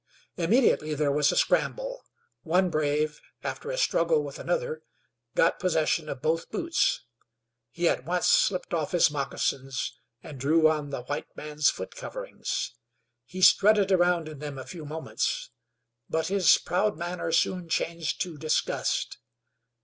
Immediately there was a scramble. One brave, after a struggle with another, got possession of both boots. He at once slipped off his moccasins and drew on the white man's foot coverings. He strutted around in them a few moments, but his proud manner soon changed to disgust.